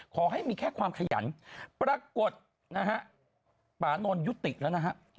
ขอให้มีแค่ความขยันปรากฏนะฮะปานนท์ยุติแล้วนะฮะ